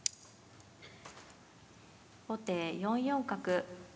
後手４四角。